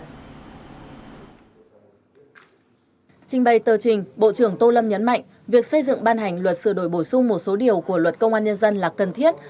trình bày tờ trình bộ trưởng tô lâm nhấn mạnh việc xây dựng ban hành luật sửa đổi bổ sung một số điều của luật công an nhân dân là cần thiết